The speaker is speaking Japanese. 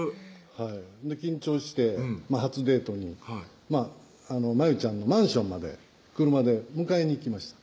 はい緊張して初デートにまゆちゃんのマンションまで車で迎えに行きました